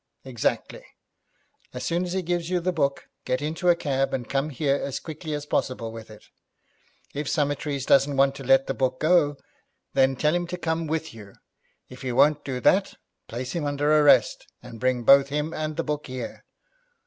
Exactly. As soon as he gives you the book, get into a cab, and come here as quickly as possible with it. If Summertrees doesn't want to let the book go, then tell him to come with you. If he won't do that, place him under arrest, and bring both him and the book here.